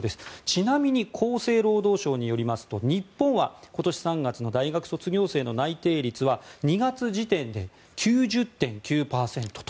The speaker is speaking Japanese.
ちなみに厚生労働省によりますと日本は今年３月の大学卒業生の内定率は２月時点で９０．９％。